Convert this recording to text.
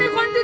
ini bukan gue